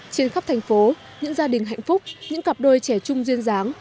trên khắp thành phố những gia đình hạnh phúc những cặp đôi trẻ trung duyên dáng